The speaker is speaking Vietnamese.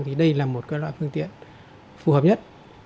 thì đây là một loại phương tiện phù hợp nhất